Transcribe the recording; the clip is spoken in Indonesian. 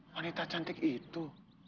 wanita cantik itu